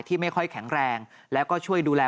ไม่ค่อยแข็งแรงแล้วก็ช่วยดูแล